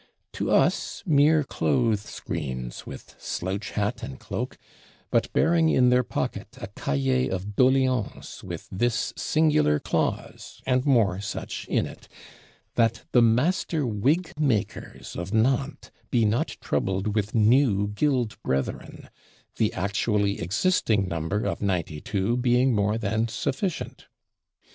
To us mere clothes screens, with slouch hat and cloak, but bearing in their pocket a Cahier of doléances with this singular clause, and more such, in it: "That the master wigmakers of Nantes be not troubled with new guild brethren, the actually existing number of ninety two being more than sufficient!"